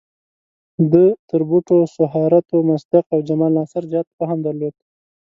ده تر بوټو، سوهارتو، مصدق او جمال ناصر زیات فهم درلود.